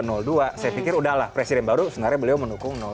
saya pikir udahlah presiden baru sebenarnya beliau mendukung